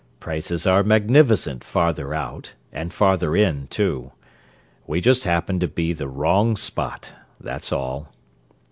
Prices are magnificent 'farther out,' and farther in, too! We just happen to be the wrong spot, that's all.